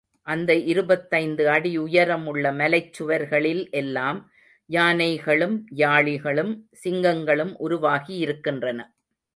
அந்த இருபத்தைந்து அடி உயரம் உள்ள மலைச் சுவர்களில் எல்லாம் யானைகளும் யாளிகளும், சிங்கங்களும் உருவாகியிருக்கின்றன.